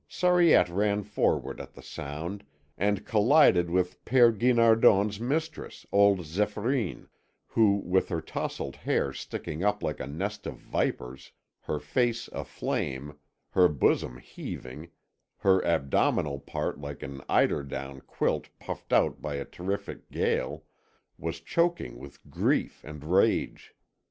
Sariette ran forward at the sound and collided with Père Guinardon's mistress, old Zéphyrine, who, with her tousled hair sticking up like a nest of vipers, her face aflame, her bosom heaving, her abdominal part like an eiderdown quilt puffed out by a terrific gale, was choking with grief and rage.